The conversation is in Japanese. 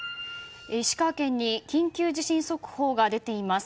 石川県に緊急地震速報が出ています。